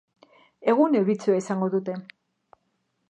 Egun euritsua izango dute.